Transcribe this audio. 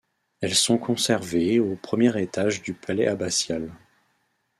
Elles sont conservées au premier étage du palais abbatial.